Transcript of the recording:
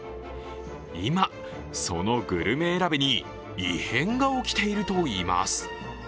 今、そのグルメ選びに異変が起きているといいます。